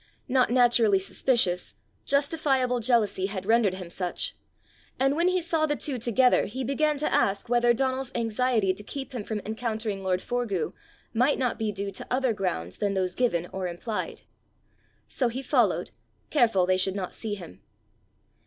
Not naturally suspicious, justifiable jealousy had rendered him such; and when he saw the two together he began to ask whether Donal's anxiety to keep him from encountering lord Forgue might not be due to other grounds than those given or implied. So he followed, careful they should not see him.